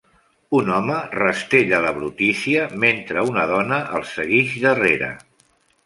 Un home rastella la brutícia mentre una dona el seguix darrera.